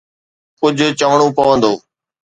ڪجهه چوڻو پوندو.